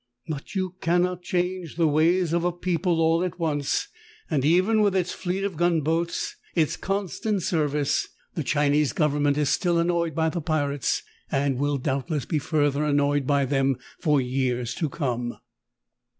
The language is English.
But you cannot change the ways of a people all at once, and even with its fleet of gunboats in constant service the Chinese 80 THE TALKING HANDKERCHIEF. government is still annoyed by the pirates, and will doubtless be further annoyed by them for years to come.